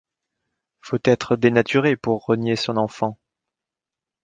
Faut être dénaturé pour renier son enfant...